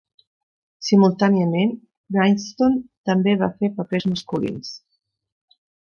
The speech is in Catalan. Simultàniament, Kynaston també va fer papers masculins.